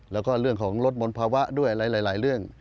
แล้วก็เรื่องของลดมนต์ภาวะด้วยหลายเรื่อง